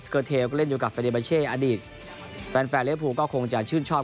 ก็เล่นอยู่กับอดีตแฟนแฟนเรียบภูมิก็คงจะชื่นชอบ